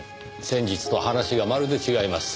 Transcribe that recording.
先日と話がまるで違います。